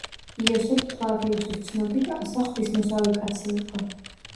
იოსებ ფლავიუსის ცნობით, ასა ღვთისმოსავი კაცი იყო.